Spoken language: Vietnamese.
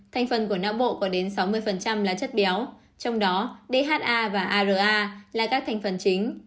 thành phần của não bộ có đến sáu mươi là chất béo trong đó dha vàra là các thành phần chính